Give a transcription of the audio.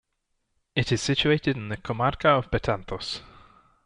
It is situated in the comarca of Betanzos.